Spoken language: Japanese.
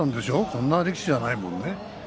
こんな力士じゃないもんね。